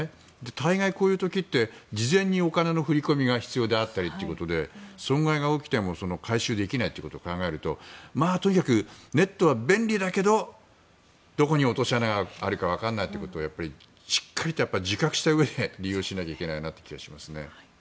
大概、こういう時って事前にお金の振り込みが必要であったりということで損害が起きても回収できないということを考えるととにかくネットは便利だけどどこに落とし穴があるかわからないということをやっぱりしっかりと自覚したうえで利用しなきゃいけない気がしますね。